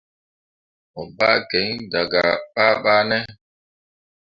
Mo ɓah kiŋ dah gah babane.